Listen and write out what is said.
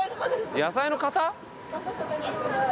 野菜の方？